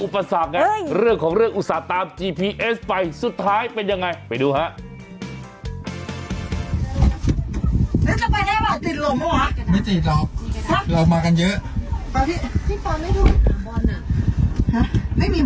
บรรเทิงละงานนี้